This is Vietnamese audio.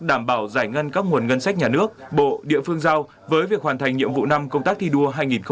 đảm bảo giải ngân các nguồn ngân sách nhà nước bộ địa phương giao với việc hoàn thành nhiệm vụ năm công tác thi đua hai nghìn hai mươi